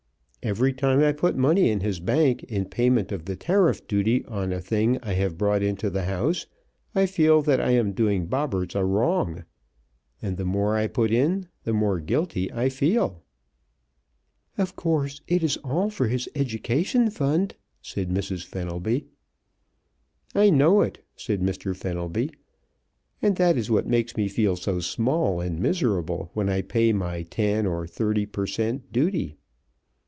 Every time I put money in his bank in payment of the tariff duty on a thing I have brought into the house I feel that I am doing Bobberts a wrong. And the more I put in the more guilty I feel." "Of course it is all for his education fund," said Mrs. Fenelby. "I know it," said Mr. Fenelby, "and that is what makes me feel so small and miserable when I pay my ten or thirty per cent. duty.